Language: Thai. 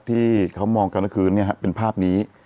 ที่เขามองกันแล้วคือเป็นภาพนี้